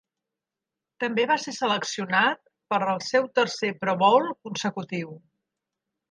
També va ser seleccionat per al seu tercer Pro Bowl consecutiu.